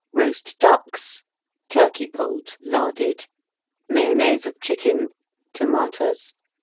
Roast Ducks. Turkey Poult, larded. Mayonnaise of Chicken. Tomatas.